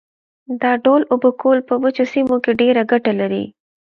دا ډول اوبه کول په وچو سیمو کې ډېره ګټه لري.